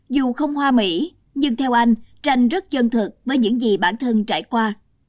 dù không hoa mỹ nhưng theo anh tranh rất chân thật với những gì bản thân trải qua